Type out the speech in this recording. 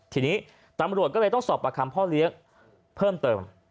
ทีนี้ตำรวจก็เลยต้องสอบประคำพ่อเลี้ยงเพิ่มเติม